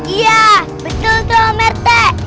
iya betul dong rt